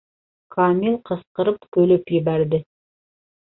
Камил ҡысҡырып көлөп ебәрҙе.